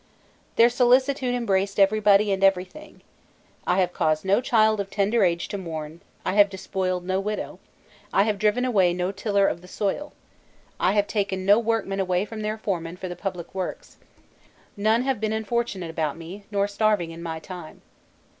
Their solicitude embraced everybody and everything: "I have caused no child of tender age to mourn; I have despoiled no widow; I have driven away no tiller of the soil; I have taken no workmen away from their foreman for the public works; none have been unfortunate about me, nor starving in my time.